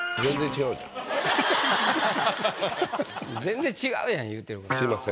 全然違うやん言うてること。